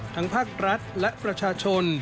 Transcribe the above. ภาครัฐและประชาชน